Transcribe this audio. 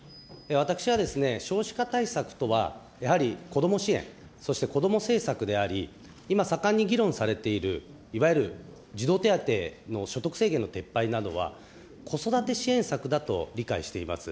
私は少子化対策とは、やはりこども支援、そしてこども政策であり、今盛んに議論されているいわゆる児童手当の所得制限の撤廃などは、子育て支援策だと理解しています。